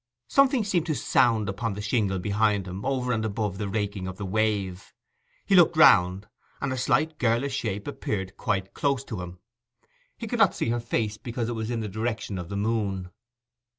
Something seemed to sound upon the shingle behind him over and above the raking of the wave. He looked round, and a slight girlish shape appeared quite close to him, He could not see her face because it was in the direction of the moon.